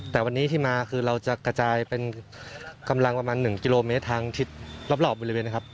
แต่วันนี้ที่มาคือเราจะกระจายเป็นกำลังประมาณ๑กิโลเมตรทางทิศรอบบริเวณนะครับ